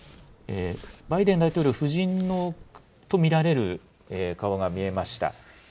バイデン大統領夫人と見られる顔が見えました。